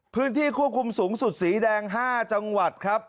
พื้นที่ควบคุมสูงสุดสีแดง๕จังหวัดครับ